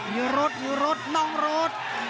อยู่รถอยู่รถน้องรถ